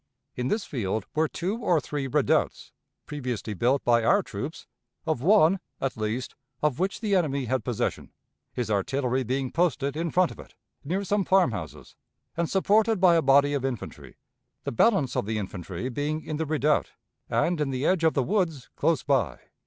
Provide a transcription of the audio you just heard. In this field were two or three redoubts, previously built by our troops, of one, at least, of which the enemy had possession, his artillery being posted in front of it, near some farmhouses, and supported by a body of infantry, the balance of the infantry being in the redoubt, and in the edge of the woods close by.